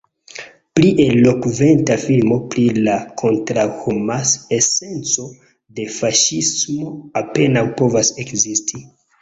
Pli elokventa filmo pri la kontraŭhoma esenco de faŝismo apenaŭ povas ekzisti.